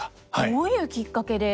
どういうきっかけで？